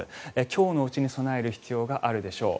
今日のうちに備える必要があるでしょう。